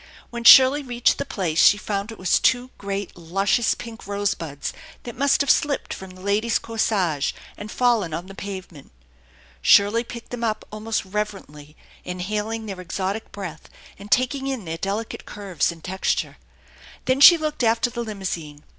When Shirley reached the place she found it waa two great, luscious pink rosebuds that must have slipped from the lady's corsage and fallen on the pavement. Shirley picked them up almost reverently, inhaling their exotic breath, and taking in theil delicate curves and texture. Then she looked after the limousine.